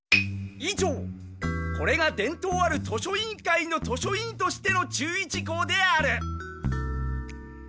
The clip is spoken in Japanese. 以上これが伝統ある図書委員会の図書委員としての注意事項である！